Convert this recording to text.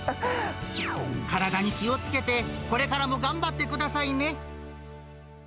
体に気をつけて、これからも頑張ってくださいね。